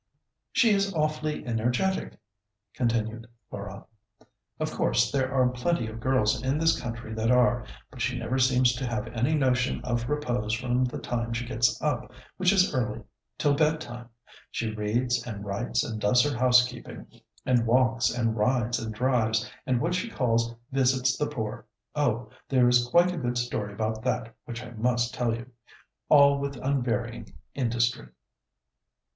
"She is awfully energetic," continued Laura. "Of course, there are plenty of girls in this country that are, but she never seems to have any notion of repose from the time she gets up, which is early, till bed time. She reads and writes and does her housekeeping, and walks, and rides and drives, and what she calls visits the poor (oh, there is quite a good story about that, which I must tell you!), all with unvarying industry."